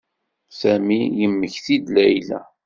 Sami yemmekti-d Layla.